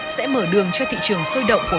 sẽ mở đường cho thị trường sôi động của